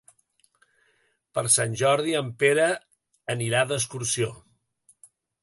Per Sant Jordi en Pere anirà d'excursió.